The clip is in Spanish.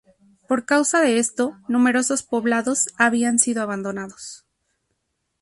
Por causa de esto, numerosos poblados habían sido abandonados.